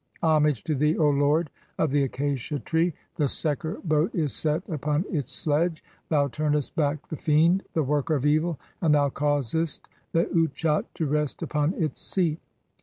(5) "Homage to thee, O lord of the Acacia tree, the Seker 'boat is set upon its sledge ; thou turnest back the Fiend, the 'worker of evil, and thou causest the Utchat to rest upon its 'seat.